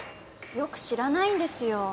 よく知らないんですよ。